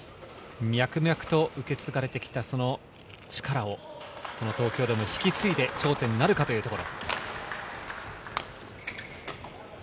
脈々と受け継がれてきたその力を東京でも引き継いで頂点なるかというところ。